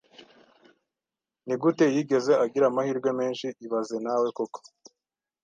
Nigute yigeze agira amahirwe menshi ibaze nawe koko